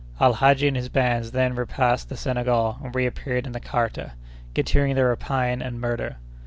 Al Hadji and his bands then repassed the Senegal, and reappeared in the Kaarta, continuing their rapine and murder.